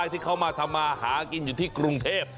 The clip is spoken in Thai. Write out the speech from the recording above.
ที่ได้มาทำอาหารที่กรุงเทพ